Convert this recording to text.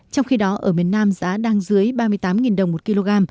trong khi đó ở miền nam giá đang dưới ba mươi tám đồng một kg